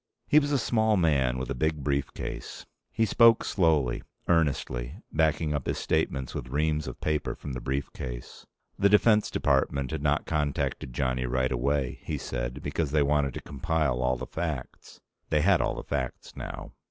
He was a small man with a big brief case. He spoke slowly, earnestly, backing up his statements with reams of paper from the brief case. The Defense Department had not contacted Johnny right away, he said, because they wanted to compile all the facts. They had all the facts now.